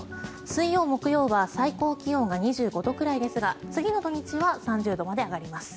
水曜、木曜は最高気温が２５度ぐらいですが次の土日は３０度まで上がります。